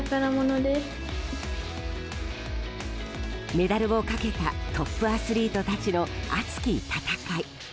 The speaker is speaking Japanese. メダルをかけたトップアスリートたちの熱き戦い。